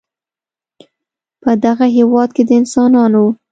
په دغه هېواد کې د انسانانو